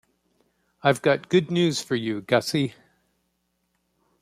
I've got good news for you, Gussie.